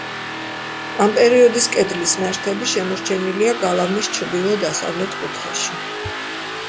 ამ პერიოდის კედლის ნაშთები შემორჩენილია გალავნის ჩრდილო-დასავლეთ კუთხეში.